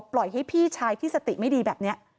ปล่อยให้พี่ชายที่สติไม่ดีแบบนี้